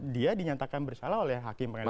dia dinyatakan bersalah oleh hakim pengadilan